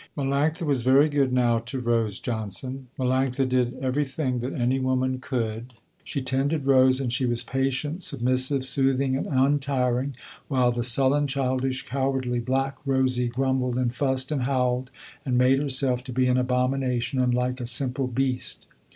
Melanctha was very good now to Rose Johnson. Melanctha did everything that any woman could, she tended Rose, and she was patient, submissive, soothing and untiring, while the sullen, childish, cowardly, black Rosie grumbled, and fussed, and howled, and made herself to be an abomination and like a simple beast.